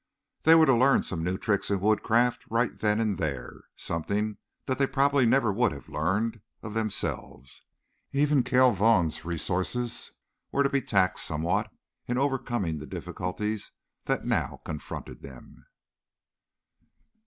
They were to learn some new tricks in woodcraft right then and there, something that they probably never would have learned of themselves. Even Cale Vaughn's resources were to be taxed somewhat in overcoming the difficulties that now confronted them.